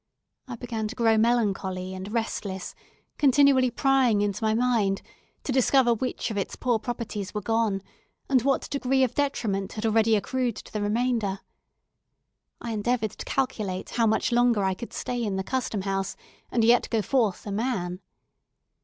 I began to grow melancholy and restless; continually prying into my mind, to discover which of its poor properties were gone, and what degree of detriment had already accrued to the remainder. I endeavoured to calculate how much longer I could stay in the Custom House, and yet go forth a man.